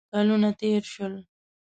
کلونه تېر شول.